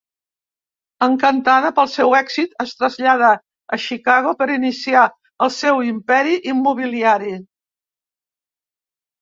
Encantada pel seu èxit, es trasllada a Xicago per iniciar el seu imperi immobiliari.